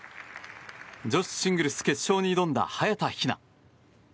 女子シングルス決勝に挑んだ早田ひな。